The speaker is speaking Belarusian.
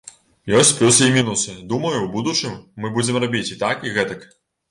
Ёсць плюсы і мінусы, думаю, у будучым мы будзем рабіць і так, і гэтак.